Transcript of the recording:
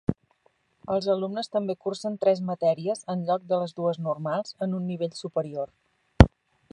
Els alumnes també cursen tres matèries, en lloc de les dues normals, en un nivell superior.